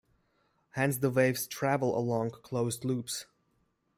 Hence the waves travel along closed loops.